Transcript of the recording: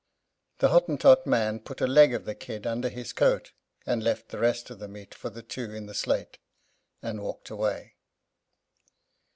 The Hottentot man put a leg of the kid under his coat and left the rest of the meat for the two in the sluit, and walked away.